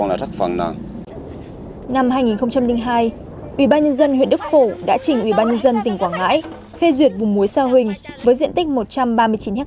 năm hai nghìn hai ubnd huyện đức phủ đã chỉnh ubnd tỉnh quảng ngãi phê duyệt vùng muối sa huỳnh với diện tích một trăm ba mươi chín ha